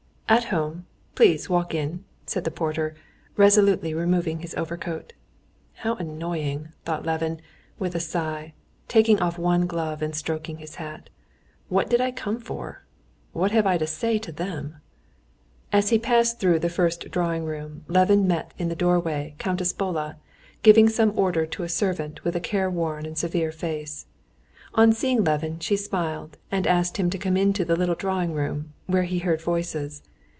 "At home; please walk in," said the porter, resolutely removing his overcoat. "How annoying!" thought Levin with a sigh, taking off one glove and stroking his hat. "What did I come for? What have I to say to them?" As he passed through the first drawing room Levin met in the doorway Countess Bola, giving some order to a servant with a care worn and severe face. On seeing Levin she smiled, and asked him to come into the little drawing room, where he heard voices.